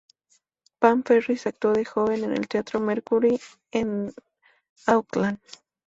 Pam Ferris actuó de joven en el teatro Mercury en Auckland.